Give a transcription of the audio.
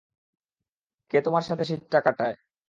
কে তোমার সাথে শীতটা কাটায়?